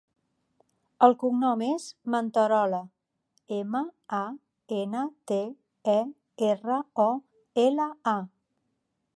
El cognom és Manterola: ema, a, ena, te, e, erra, o, ela, a.